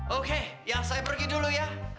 oke yang saya pergi dulu ya